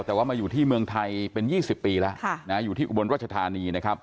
แต่ว่ามาอยู่ที่เมืองไทยเป็น๒๐ปีแล้วอยู่ที่อุบลรัชธานีนะครับ